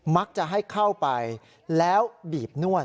มักจะให้เข้าไปแล้วบีบนวด